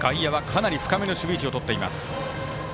外野は、かなり深めの守備位置をとっています。